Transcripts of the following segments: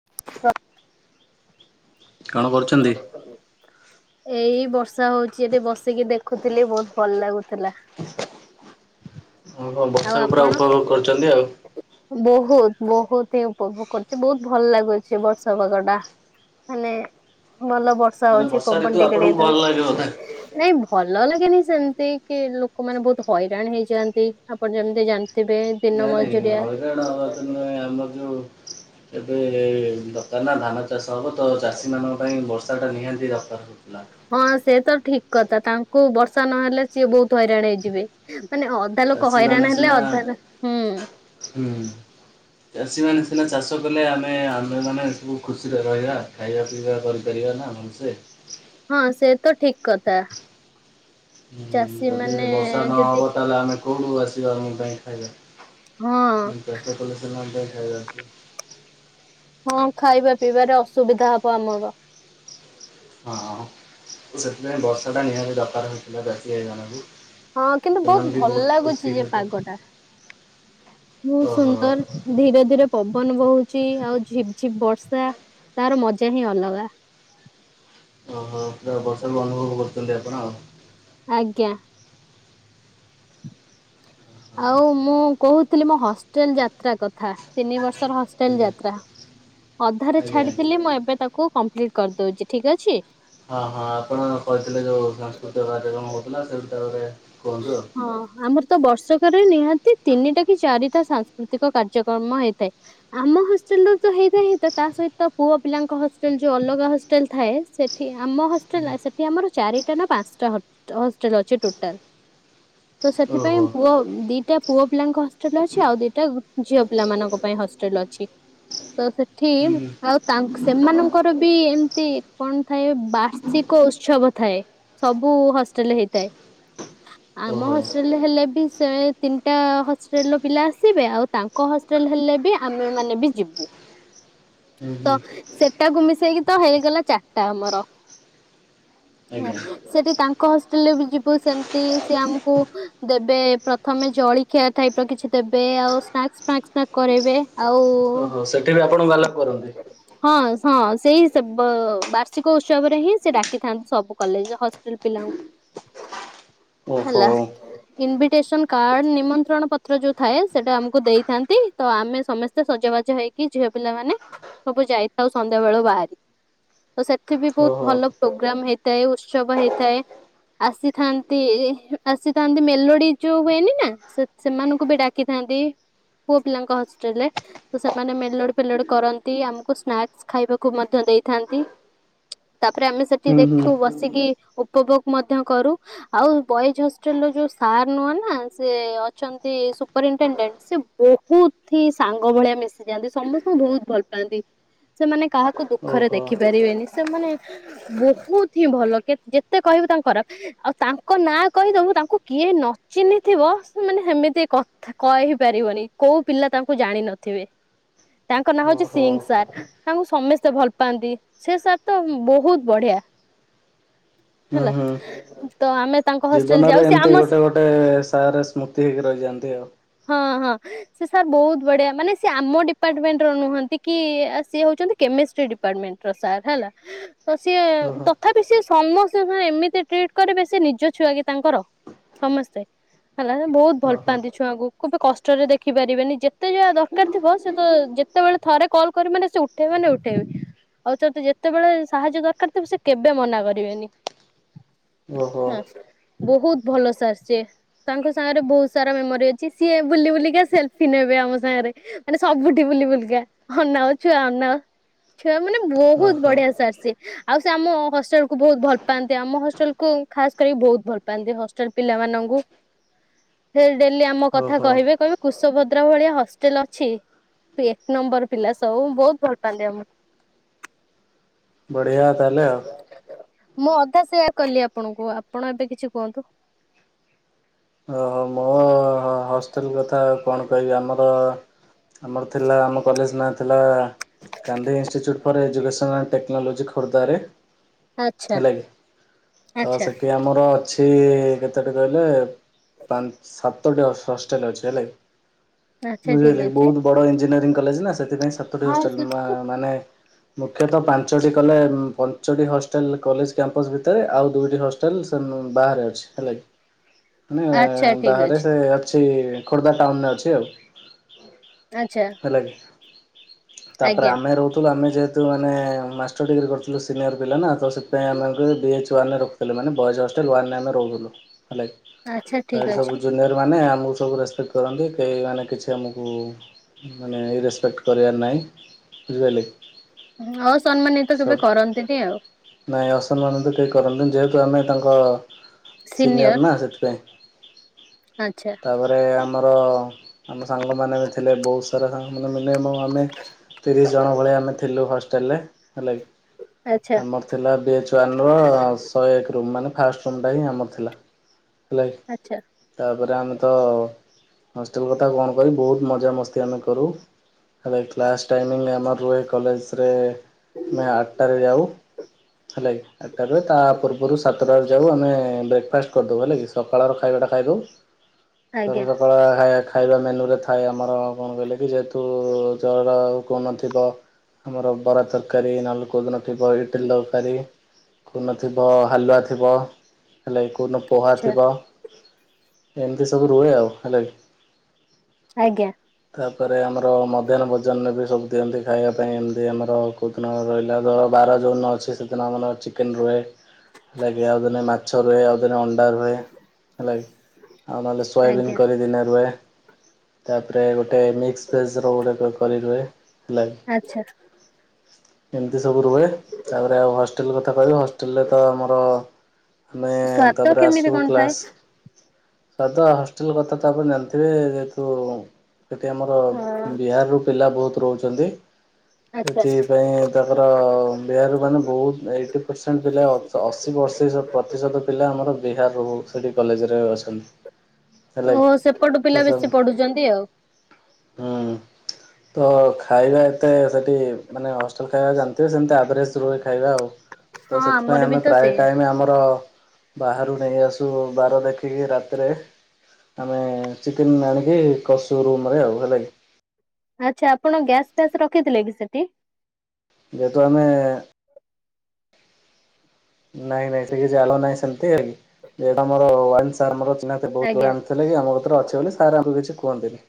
[inaudible] କଣ କରୁଛନ୍ତି? [unintelligible] ଏଇ ବର୍ଷା ହଉଚି ଏଠି ବସିକି ଦେଖୁଥିଲି ବହୁତ ଭଲ ଲାଗୁଥିଲା। ହଁ ଆଉ ବର୍ଷାକୁ ପୁରା ଆପଣ? ଉପଭୋଗ କରୁଛନ୍ତି ଆଉ। ବହୁତ ବହୁତ ହିଁ ଉପଭୋଗ କରୁଛି ବହୁତ ଭଲ ଲାଗୁଛି ବର୍ଷ ପାଗ ଟା। ହେଲେ ଭଲ ବର୍ଷା ମାନେ ହଉଛି ପବନ ଋତୁ ଟିକେ ଆପଣଙ୍କୁ ଟିକେ ଭଲ ଲାଗେ ବୋଧେ? ଦଉଛି। ନାଇଁ ଭଲ ଲାଗେନି ସେମିତି କି ଲୋକମାନେ ବହୁତ ହଇରାଣ ହେଇଯାଆନ୍ତି। ଆପଣ ଯେମିତି ଜାଣି ନାଇଁ ନାଇଁ ଘରେ ଣ ଆମ ଯୋଉ ଏବେ ଦୋକାନ ଧାନ [unintelligible] ଚାଷବ ତ ଚାଷୀମାନଙ୍କ ପାଇଁ ବର୍ଷାଟା ନିହାତି ଦରକାର ହେଉଥିଲା। ହଁ ସେ ତ ଠିକ କଥା ତାଙ୍କୁ ବର୍ଷା ନହେଲେ ସିଏ ବହୁତ ହଇରାଣ ହେଇଯିବେ ମାନେ ତା ଲୋକ ଚାଷୀମାନେ ହଇରାଣ ହେଲେ ସିନା ଅଧା ହୁଁ। ହୁଁ ଚାଷୀମାନେ ସିନା ଚାଷ କଲେ ଆମେ ଆମେମାନେ ସବୁ ଖୁସିରେ ରହିବା। ଖାଇବା ପିଇବା କରିପାରିବା ନା ଭଲ ସେ ହଁ ସେ ତ ଠିକ କଥା। ହୁଁ ଚାଷୀ ଯଦି ମାନେ ବର୍ଷା ଯଦି ନହବ ତାହେଲେ ଆମେ କେଉଁଠୁ ଆସିବା ଆମ ପାଇଁ ହଁ ଖାଇବାସ କଲେ ସ ଆମ ପାଇଁ ଖାଇବା ଆସିବା। ହଁ ଖାଇବା ପିଇବାରେ ଅସୁବିଧା ହବ ଆମର ହଁ ସେଥିପାଇଁ ବର୍ଷା ଟା ନିହାତି ଦରକାର ହେଇଥିଲା ବେଶୀ ହେଇଗାଲା। [unintelligible] ହଁ କିନ୍ତୁ ବହୁତ ଭଲ ଲାଗୁଛି ଯେ ପାଗ ଟା ବହୁତ ଓହୋ ସୁନ୍ଦର ଧୀରେ ଧୀରେ ପବନ ବହୁଛି ଆଉ ଝିପ ଝିପ ବର୍ଷା ତାର ମଜା ହିଁ ଅଲଗା। ଓ ପୁରା ବର୍ଷା ବି ଅନୁଭବ କରୁଛନ୍ତି ଆପଣ ଆଉ। ଆଜ୍ଞା। ଆଉ ମୁଁ କହୁଥିଲି ମୋ ହଷ୍ଟେଲ ଯାତ୍ରା କଥା ତିନି ବର୍ଷର ହଷ୍ଟେଲ ଆଜ୍ଞା ଯାତ୍ରା। ଅଧାରେ ଆଜ୍ଞା ଆଜ୍ଞା। ଛାଡିଥିଲି ମୁଁ ଏବେ ତାକୁ ୟାକୁ କମ୍ପ୍ଲିଟ କରିଦଉଛି ଠିକ ଅଛି। ହଁ ହଁ ଆପଣ କହିଥିଲେ ଯେଉଁ ସାଂସ୍କୃତିକ କାର୍ଯ୍ୟକ୍ରମ ହେଉଥିଲା ସେ ଭଷାବରେ କୁହନ୍ତୁ ଆଉ। ହଁ ଆମର ତ ବର୍ଷକରେ ନିହାତି ତିନିଟା କି ଚାରିଟା ସାଂସ୍କୃତିକ କାର୍ଯ୍ୟକ୍ରମ ହେଇଥାଏ ଆମ ହଷ୍ଟେଲ ର ତ ହେଇଥାଏ ତ ତା ସହିତ ପୁଅ ପିଲାଙ୍କ ହଷ୍ଟେଲ ଯୋଉ ଅଲଗା ହଷ୍ଟେଲ ଥାଏ ଆମ ହଷ୍ଟେଲ ସେଠି ଆମର ଚାରିଟା ନା ପାଞ୍ଚଟା ହଷ୍ଟେଲ ଅଛି ଟୋଟାଲ। ତ ସେଥିପାଇଁ ଓହୋ ପୁଅ ଦିଟା ପୁଅ ପିଲାଙ୍କ ହଷ୍ଟେଲ ଅଛି ଆଉ ଦିଟା ଝିଅ ପିଲା ମାନଙ୍କ ପାଇଁ ହଷ୍ଟେଲ ଅଛି। ତ ସେଠି ହୁଁ ହୁଁ ଆଉ ସେମାନଙ୍କର ବି ଏମତି କଣ ଥାଏ ବାର୍ଚ [unintelligible] ଉତ୍ସବ ଥାଏ ସବୁ ହଷ୍ଟେଲ ହେଇଥାଏ ଆମ। ଓହୋ ହଷ୍ଟେଲ ହେଲେ ବି ସେ ତିନିଟା ହଷ୍ଟେଲ୍ର ପିଲା ଆସିବେ ଆଉ ତାଙ୍କ ହଷ୍ଟେଲ ହେଲେ ବି ଆମେ ମାନେ ବି ଯିବୁ। ହୁଁ ତ ହୁଁ ସେଟାକୁ ମିଶେଇକି ତ ହେଇଗଲା ଚାରିଟା ଆମର। ହଁ ଆଜ୍ଞା। ସେଠି ତାଙ୍କ ହଷ୍ଟେଲରେ ବି ଯିବୁ ସେମତି ସି ଆମକୁ ଦେବେ ପ୍ରଥମେ ଜଳଖିଆ ଥାଇ ପ କିଛି ଦେବେ ଆଉ ସ୍ନାକ୍ନାକ୍ କରାଇବେ ଆଉ। ଓହୋ ସେଠି ବି ଆପଣଙ୍କ ବାଲାପ କରନ୍ତି। [unintelligible] ହଁ ହଁ ସେଇ ସେ ବାର୍ଷିକ ଉତ୍ସବରେ ହିଁ ସେ ଡାକିଥାନ୍ତି ସବୁ କଲେଜ ପିଲାଙ୍କୁ ଓହୋ ହେଲା। ଇନଭିଟେସନ କାର୍ଡ ନିମନ୍ତ୍ରଣ ପତ୍ର ଯୋଉ ଥାଏ ସେଟା ଆମକୁ ଦେଇଥାନ୍ତି। ତ ଆମେ ସମସ୍ତେ ସଜାବାଜ ହେଇକି ଝିଅ ପିଲାମାନୋନେ ସବୁ ଯାଇଥାଉ ସନ୍ଧ୍ୟା ବେଳୁ ବାହାରି। ତ ସେଠି ବି ବହୁତ ଓହୋ ଭଲ ପ୍ରୋଗ୍ରାମ ହେଇଥାଏ ଉତ୍ସବ ହେଇଥାଏ। ଆସିଥାନ୍ତି ଆସି ନ୍ତି ମେଲୋଡି ଯୋଉ ହୁଏନି ନା ସେ ସେମାନଙ୍କୁ ବି ଡାକିଥାନ୍ତି। ପୁଅ ପିଲାଙ୍କ ହଷ୍ଟେଲ ରେ ତ ସେମାନେ ମେଲଡି ପେଲଡି କରନ୍ତି ଆମକୁ ସ୍ନାକ୍ସ ଖାଇବାକୁ ମଧ୍ୟ ଦେଇଥାନ୍ତି। ତାପରେ ଆମେ ସେଠି ହୁଁ ହୁଁ ଦେଖୁ ବସିକି ଉପଭୋଗ ମଧ୍ୟ କରୁ ଆଉ ବୟଝ ଯୋଉ ସାର୍ ନୁହଁ ନା ସେ ଅଛନ୍ତି ସୁପରିଟେଣ୍ଡେଣ୍ଟ ସେ ବହୁ ବହୁଥି ସାଙ୍ଗ ଭଳିଆ ମିଶିଯାଆନ୍ତି ସମସ୍ତଙ୍କୁ ବହୁତ ଭଲ ପାଆନ୍ତି ସେମାନେ କାହାକୁ ଦୁଃଖରେ ଓହୋ ଦେଖି ପାରିବେନି ସେମାନେ ବହୁତ ହିଁ ଭଲ ଯେତେ କହିବୁ ତାଙ୍କ ଖରାପ ଆଉ ତାଙ୍କ ନାଁ କହିଦବୁ ତାଙ୍କୁ କିଏ ନଚିହ୍ନିଥିବ ସେ ମାନେ ହେମିତି କହି ପାରିବନି କୋଉ ପିଲା ତାଙ୍କୁ ଜାଣିନଥିବେ ତାଙ୍କ ନାଁ ହଉଛି ଓହୋ। ସିଂ ସାର୍। ତାଙ୍କୁ ସମସ୍ତେ ଭଲ ପାଆନ୍ତି ସେ ସାର୍ ତ ବହୁତ ବଢିଆ। ହୁଁ ହେଲା ହୁଁ ତ ଆମେ ତାଙ୍କ ହଷ୍ଟେଲ ଯାଉ। ସେ ଗୋଟେ ଗୋଟେ ସାରରେ ସ୍ମୃତି ହେଇକି ରହିଯାଆନ୍ତି ଆଉ। ହଁ ହଁ। ସେ ସାର୍ ବହୁତ ବଢିଆ ମାନେ ସିଏ ଆମ ଡିପାର୍ଟମେଣ୍ଟ ର ନୁହନ୍ତି କି ସିଏ ହଉଛନ୍ତି କେମିଷ୍ଟ୍ରି ଡିପାର୍ଟମେଣ୍ଟ। ର ସାର ହେଲା ତ ସିଏ ଓହୋ ତଥା ପି ସେ ସମସ୍ତଙ୍କ ସାଙ୍ଗରେ ଏମିତି ଟ୍ରିଟ କରିବେ ସେ ନିଜ ଛୁଆ କି ତାଙ୍କର। ସମସ୍ତେ ହେଲା ବହୁତ ଭଲ ଓହୋ ପାଆନ୍ତି ଛୁଆଙ୍କୁ। କୁ କେବେ କଷ୍ଟରେ ଦେଖି ପାରିବେନି ଯେତେ ଯାହା ଦରକାର ଥିବ ସେ ତ ଯେତେବେଳେ ଥରେ କଲ୍ କରି ମାନେ ଉ ଉଠେଇବେ ମାନେ ଉଠେଇବେ। ଆଉ ତ ତୁ ଯେତେବେଳେ ସାହାଯ୍ୟ ଦରକାର ଥିବ ସେ କେବେ ମନା କରିବେନି। ଓହୋ ହ ବହୁତ ଭଲ ସାର୍ ସିଏ ତାଙ୍କ ସାଙ୍ଗରେ ବହୁତ ସାରା ମେମୋରି ଅଛି ସିଏ ବୁଲି ବୁଲିକା ସେଲଫି ନେବେ ଆମ ସାଙ୍ଗରେ। ଏ ମାନେ ସବୁଠି ବୁଲି ବୁଲିକି ଅନାଅ ଛୁଆ ଅନାଅ ଛୁଆ ମାନେ ବହୁତ ଓହୋ ବଢିଆ ସାର ସେ ଆଉ ସେ ଆମ ହଷ୍ଟେଲ କୁ ବହୁତ ଭଲ ପାଆନ୍ତି ଆମ ହଷ୍ଟେଲ କୁ ଖାସ କରିକି ବହୁତ ଭଲ ପାଆନ୍ତି ହଷ୍ଟେଲ ପିଲାମାନଙ୍କୁ। ସେ ଡେଲି ଆମ କଥା ଓହୋ କହିବେ କହିବେ କୁଶଭଦ୍ରା ଭଳିଆ ହଷ୍ଟେଲ ଅଛି। ଏକ ନମ୍ବର ପିଲା ସବ ବହୁତ ଭଲ ପାଆନ୍ତି ଆମ ବଢିଆ ତାହେଲେ ଆଉ। ମୁଁ ଅଧା ସେୟାର କଲି ଆପଣଙ୍କୁ ଆପଣ ଏବେ କିଛି କୁହନ୍ତୁ। ଓହୋ ମୋ ହ ହଷ୍ଟେଲ କଥା କଣ କହିବି ଆମର ଆମର ଥିଲା ଆମ କଲେଜ ନାଁ ଥିଲା Gandhi institute for education and technology Khordha ରେ। ଆଚ୍ଛା ହେଲା କିି ତ ଆଚ୍ଛା ସେଠି ଆମର ଅଛି ଟି କେତଟି କହିଲେ ପାଞ୍ଚ ସାତଟି ହଷ୍ଟେଲ ଅଛି ହେଲା କି। ଆଚ୍ଛା ଠିକ ବୁଝିପାରିଲେ ଅଛି। ବହୁତ ବଡ ଇଞ୍ଜିନିୟରି କଲେଜ ନା ସେଥିପାଇଁ ସାତଟି ହଁ ସେ ହଷ୍ଟେଲ ମା ମାନେ ମୁଖ୍ୟତଃ ପାଞ୍ଚଟି କଲେ ପଞ୍ଚଟି ହଷ୍ଟେଲ କଲେଜ କ୍ୟାମ୍ପସ ଭିତରେ ଆଉ ଦୁଇଟି ହଷ୍ଟେ ହଷ୍ଟେଲ ସେ ବାହାରେ ଅଛି ହେଲା କି। ମାନେ ଆଚ୍ଛା ଠିକ ବାହାରେ ଅଛି। ସେ ଅଛି ଖୋର୍ଦ୍ଧା ଟାଉନରେ ଅଛି ଆଉ। ଆଛା। ହେଲାକି ତାପରେ ଆମେ ରହୁଥିଲୁ ଆମେ ଯେହେତୁ ତୁ ମାନେ ମାଷ୍ଟର ଡିଗ୍ରୀ କରିଥିଲୁ ସିନିୟର ପିଲା ନା ତ ସେଥିପାଇଁ ଆମେ ବି ଏଚ୍ ୱାନେ ରେ ର- - କହିଲେ ମାନେ ବଏଜ ହଷ୍ଟେଲ ୱାନ୍ ରେ ଆମେ ରହୁଥିଲୁ ହେଲାକି। ଆଚ୍ଛା ଠିକ ତାପରେ ଅଛି। ସବୁ ଜୁନିୟର ମାନେ ଆମକୁ ସବୁ ରେସପେକ୍ଟ କରନ୍ତି କେହି ମାନେ କିଛି ଆମକୁ। ମାନେ ଇ ରେସ୍ପେକ୍ଟ କରିବାର ନାହିଁ ବୁଝିପାରିଲେ। ହଉ ସମ୍ମାନିତ ସବ୍ କେବେ କରନ୍ତିନି ଆଉ। ନାଇଁ ଅସମ୍ମାନ ତ କେହି କରନ୍ତିନି ଯେହେତୁ ଆମେ ତାଙ୍କ ସିନିୟର୍ ନା ସେଇଥିପାଇଁ। ଆଛା। ତାପରେ ଆମର ଆମ ସାଙ୍ଗମାନେ ବି ଥିଲେ ବହୁତ ସାରା ସାଙ୍ଗ ମାନେ ମାନେ ମ ଆମେ ତିରିଶ ଜଣ ଭଳିଆ ଆମେ ଥିଲୁ ହଷ୍ଟେଲରେ ହେଲା କିି। ଆଚ୍ଛା ଆମର ଥିଲା ବି ଏଚ୍ ୱାନର ଶହେ ଏକ ରୁମ୍ ମାନେ ଫାଷ୍ଟ ରୁମ ଟା ହିଁ ଆମର ଥିଲା ହେଲା କି। ଆଚ୍ଛା। ତାପରେ ଆମେ ତ ହଷ୍ଟେଲ କଥା କଣ କରି ବହୁତ ମଜାମସ୍ତି ଆମେ କରୁ। ହେଲା କି କ୍ଲାସ୍ ଟାଇମିଙ୍ଗ ଆମର ରୁହେ କଲେଜରେ ଆମେ ଆଠଟାରେ ଯାଉ। ହେଲା କି? ଆଠଟାରେ ତା ପୂର୍ବରୁ ସାତଟାରେ ଯାଉ ଆମେ ବ୍ରେକ ଫାଷ୍ଟ କରିଦଉ ହେଲା କି ସକାଳର ଖାଇବାଟା ଖାଇଦଉ। [inaudible] ସରୁ ସକାଳ ଖାଇବା ମେନୁ ରେ ଥାଏ ଆମର। କଣ କହିଲେ କି ଯେହେତୁ ଯାର ଆଉ କଣଥିବ। ଆମର ବରା ତରକାରୀ ନହେଲେ କୋଉ ଦିନ ଇଟିଲ ତରକାରୀ। କୋଦିନ ଥିବ ହାଲୁଆ ଥିବ। ହେଲା କି କଉଦିନ ପୋହା ଆଚ୍ଛା ଥିବ ଏମିତି ସବୁ ରୁହେ ଆଉ ହେଲା କି। ଆଜ୍ଞା। ତାପରେ ଆମର ମଧ୍ୟ୍ୟନ ଭୋଜନରେ ବି ସବୁ। ଦିଅନ୍ତି ଖାଇବା ପାଇଁ ଏମିତି ଆମର କୋଉଦିନ ରହିଲା ଧର ବାର ଯେଉଁନ ଅଛି ସେଦିନ ଆମର ଚିକେନ ରୁହେ। ହେଲାକି ଆଉ ଦିନେ ମାଛ ରୁହେ ଆଉ ଦିନେ ଅଣ୍ଡା ରୁହେ ହେଲାକି। ଆଉ ନହେଲେ ସୋୟାବିନ୍ ଆଜ୍ଞା କରିଦିନେ ରୁହେ ତାପରେ ଗୋଟେ ମି ସ୍ପେସ ର ଗୋଟେ କରି ରୁହେ ଆଚ୍ଛା ହେଲାକି ଏମିତି ସବୁ ରୁହେ। ତା ପରେ ଆଉ ହଷ୍ଟେଲ କଥା କହିବି ହଷ୍ଟେଲରେ ତ ଆମର। ଆମେ ସ୍ଵାଦ ତାପରେ କେମିତି ଆଶୁ କଣ ଥାଏ? କ୍ଲାସ। ଆଉତ ହଷ୍ଟେଲ କଥା ତ ଆପଣ ଜାଣିଥିବେ ଯେହେତୁ ସେଠି ଆମର ହଁ ବିହାରରୁ ପିଲା ବହୁତ ରହୁଛନ୍ତି। ଆଚ୍ଛା ସେଥିପାଇଁ ତାଙ୍କର ବିହାରାରୁ ମାନେ ବହୁତ ଏଇଟି ପରସେଣ୍ଟ ପିଲା ଅଶୀ ବର୍ଷି ପ୍ରତିଶତ ପିଲା ଆମର ବିହାରରୁ ସେଇଠି କଲେଜରେ ଅଛନ୍ତି। ହେଲାକି ଓହୋ ସେପଟୁ ତ ପିଲା ସବ୍ ବେଶୀ ପଢୁ ବୁଝୁଛନ୍ତି ଆଉ। ହୁଁ ତ ଖାଇବା ଏତେ ସେଠି ମାନେ ହଷ୍ଟେଲ ଖାଇବା ଜାଣି ସେମିତି ଆ୍ଭରେଜ ରୁହେ ଖାଇବା ଆଉ ହଁ ତ ସେଥିପାଇଁ ଆମର ବି ଆମେ ତ ପ୍ରାୟ ସେଇଆ ଟାଇମ ଆମର। ବାହାରୁ ନେଇ ଆସୁ ବାର ଦେଖିକି ରାତିରେ। ଆମେ ଚିକେନ ଆଣିକି କସୁ ରୁମରେ ଆଉ ହେଲା କି। ଆଚ୍ଛା ଆପଣ ଗ୍ୟାସ୍ ଫ୍ୟାସ୍ ରଖିଥିଲେ କି ସେଠି। ଯେହେତୁ ଆମେ। ନାଇଁ ନାଇଁ ସେଠି ଜାଗା ନାହିଁ ସେମତି ଆମର ୱାନ୍ସ ଆମର ଚିହ୍ନତ ବହୁତ ଆଜ୍ଞା ଆମ ସେଥିଲାଗୀ ଆମ କତିରେ ଅଛି ବୋଲି ସାର୍ ଆମକୁ କିଛି କୁହନ୍ତିନି।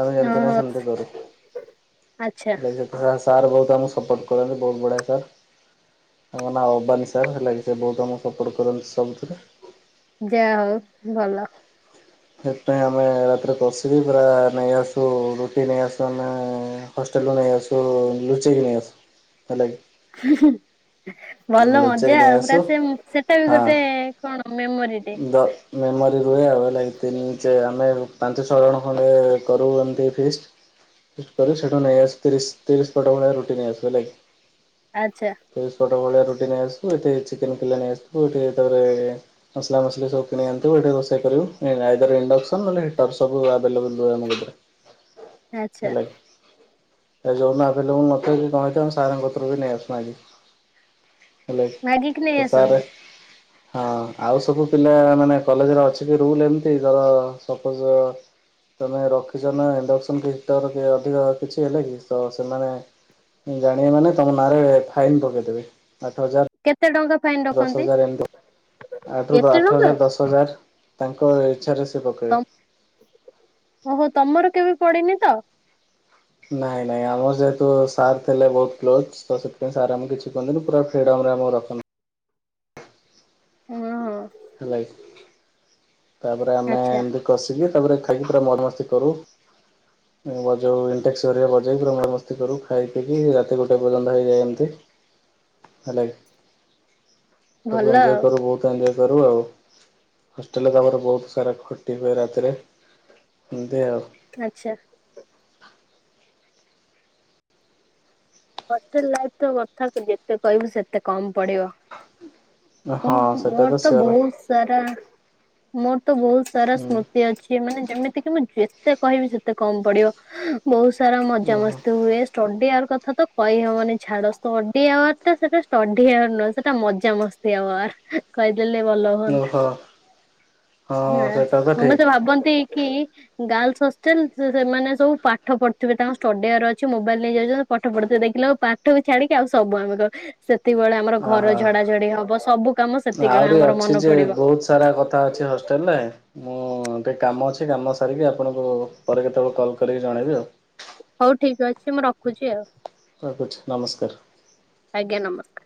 ଆମେ ଯେମତି ନାହିଁ ଓହୋ ସେମତି କରୁଚୁ। ଆଚ୍ଛା ସେଥିପାଇଁ ସାର୍ ବହୁତ ଆମକୁ ସପୋର୍ଟ କରନ୍ତି ବହୁତ ବଢ଼ିଆ ସାର୍ ତାଙ୍କ ନା ଆଉ। ବନି ସାର୍ ହେଲା କି ସେ ବହୁତ ଆମକୁ ସପୋର୍ଟ କରନ୍ତି ସବୁଥିରେ। ଯାହା ହଉ ଭଲ। ସେଥିପାଇଁ ଆମେ ରାତିରେ କଷିକି ପୁରା ନେଇ ଆସୁ ରୁଟି ନେଇ ଆସୁ ଆମେ ହଷ୍ଟେଲରୁ ନେଇ ଆସୁ ଲୁଚେଇକି ନେଇ ଆସୁ ହେଲାକି ହୁଁ-ହୁଁ। ଭଲ ଲୁଚେଇକି ମଜା ନେଇ ଆଉ ପୁରା ଆସୁ ସେ ସେଟା ବି ହଁ ଗୋଟେ କଣ ମେମୋରିଟେ। ଦ ମେମୋରି ରୁହେ ଆଉ ହେଲାକି ତିନି ଚା ଆମେ ପାଞ୍ଚ ଛଅ ଜଣ ଖଣ୍ଡେ କରୁ ଏମିତି ଫିଷ୍ଟି। ତଥାପି ସେଠୁ ନେଇ ଆସୁ ତିରିଶ ତିରିଶ ପଟ ଭଳିଆ ରୁଟି ନେଇ ଆସୁ ହେଲାକି। ଆଚ୍ଛା। ତିରିଶ ପଟ ଭଳିଆ ରୁଟି ନେଇ ଆସିବୁ ଏଠି ଚିକେନ କିଲେ ନେଇ ଆସିବୁ ଏଠୁ ତାପରେ ମସଲା ମସଲି ସବୁକିଣି ଅଣିଥିବୁ ଏଇଠି ରୋଷେଇ କରିବୁ ଆଇଦର ଇଣ୍ଡେକ୍ସସନ ନହେଲେ ହିଟର ସବୁ ଅଭେଲେବୁଲ ରୁହେ ଆମ କତିରେ। [inaudible] ହେଲା କିି ଏ ଯୋଉଦିନ ଆଭେଲେବୁଲ୍ ନଥିବ କି କଣ ହେଇଥିବ ସାରଙ୍କ କାଟିରୁ ନେଇ ଆସୁ ମାଗିକି। ହେଲେକି ମାଗିକି ନେଇ ତ ସାରରେ ଆସନ୍ତି। ହଁ ଆଉ ସବୁ ପିଲା ମାନେ କଲେଜରେ ଅଛି କି ରୁଲ ଏମିତି ଯାହାହଉ ସପୋଜ। ତମେ ରଖିଛ ନା ଇଣ୍ଡକ୍ସନ କି ହିଟର କି ଅଧିକ କିଛି ହେଲେ କି ତ ସେମାନେ ଜାଣିବେ ମାନେ ତମ ନାଁ ରେ ଫାଇନ ପକେଇଦେବେ ଆଠ ହଜାର କେତେ ଟଙ୍କା ଫାଇନ ରଖନ୍ତି? ଦଶହଜାର ଏମିତି ଆଠ ଏତେ ଟଙ୍କା ହଜାର ଦଶ ତାବାଦେ ତାଙ୍କ ଇଚ୍ଛାରେ ସେ ତମ ପକେଇବେ। ଓହୋ ତମର କେବେ ପଡିନି ତ। ନାଇଁ ନାଇଁ ଆମର ଯେହେତୁ ସାର୍ ଥିଲେ ବହୁତ କ୍ଲୋଜ୍ ତ ସେଥିପାଇଁ ସାର୍ ଆମେ କିଛି କୁହନ୍ତିନି ପୁରା ଫ୍ରିଡମ ରେ ଆମକୁ ରଖନ୍ତି। ହୁଁ ହୁଁ। ହେଲାକି ତାପରେ ଆମେ ଆଚ୍ଛା ଏମିତି କଷିକି ତାପରେ ଖାଇକି ପୁରା ମଢା ମସ୍ତି କରୁ। [inaudible] ବଜାଉ ଇଣ୍ଟେକ୍ସ ହରିକା ବଜେଇକି ପୁରା ମେଳାମସ୍ତି କରୁ ଖାଇ ପିକି ରାତି ଗୋଟେ ପର୍ଯ୍ୟନ୍ତ ହେଇଯାଏ ଏମିତି। [inaudible] ହେଲାକି ସବୁ ଭଲ ଏଞ୍ଜୋଜଏ ଆଉ କରୁ, ବହୁତ ଏଜଏ କରୁ ଆଉ, ହଷ୍ଟେଲ ତମର ବହୁତ ସାରା ଖଟି ହୁଏ ରାତିରେ। ଏମିତି ଆଉ। ଆଚ୍ଛା। ହଷ୍ଟେଲ ଲାଇଫ୍ ତ କଥା ଯେତେ କହିବୁ ସେତେ କମ୍ ପଢିବ। ମୁଁ ହଁ ସେଟା ମୋର ତ ସିଓର ବହୁତ ସାରା ମୋର ତ ବହୁତ ସାରା ହୁଁ ସ୍ମୃତି ଅଛି। ସେ ମାନେ ଯେମିତି କି ମୁଁ ଯେତେ କହିବି ସେତେ କମ୍ ପଡିବ ବହୁତ ସାରା ମଜା ମସ୍ତି ହୁଏ। ଷ୍ଟଡି ଔର କଥା ତ କହିହବନି ଛାଡ ଷ୍ଟଡି ଆୱାର ଟା ସେଟା ଷ୍ଟଡି ଆୱାର ନୁହେଁ ସେଟା ମଜାମସ୍ତି ଆୱାର। କହିଦେଲେ ଭଲ ହୁଅନ୍ତା ଓହୋ ହଁ ବାସ ସେଇଟା ତ ଠିକ। ସମସ୍ତେ ଭାବନ୍ତି। କି? ଗାର୍ଲସ ହଷ୍ଟେଲ ସେ ସେମାନେ ସବୁ ପାଠ ପଢୁଥିବେ ତାଙ୍କ ଷ୍ଟଡି ଆୱାର ଅଛି ମୋବାଇଲ ନେଇ ଯାଉଛନ୍ତି ପାଠ ପଢ଼ୁଥିବେ, ଦେ ଇଲେ ପାଠ କୁ ଛାଡିକି ଆଉ ସବୁ ଆମେକ ସେତିକିବେଳେ ଆମର ଘର ଝଡା ଓହୋ ଝଡି ହବ ସବୁ କାମ ସେତିକିବେଳେ ଆହୁରି ଆମର ଅଛି ମନେ ଯେ ପଡିବ। ବହୁତ ସାରା କଥା ଅଛି ହଷ୍ଟେଲ୍ ରେ। ମୁଁ ଟିକେ କାମ ଅଛି କାମ ସାରିକି ଆପଣଙ୍କୁ ପରେ କେତେବେଳେ କଲ୍ କରିକି ଜଣେଇବି ଆଉ। ହଉ ଠିକ ଅଛି ମୁଁ ରଖୁଚି ଆଉ। ହ କୁଞ୍ଚ୍ ନମସ୍କାର। ଆଜ୍ଞା ନମସ୍କାର।